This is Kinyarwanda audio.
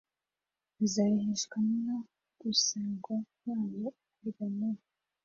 bazaheshwa no gus gwa kwabo ukurwa mu